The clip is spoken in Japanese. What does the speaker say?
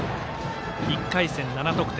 １回戦７得点。